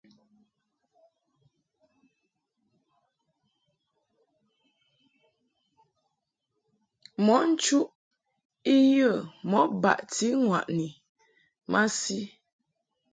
Mɔʼ nchuʼ I yə mɔʼ baʼti ŋwaʼni masi.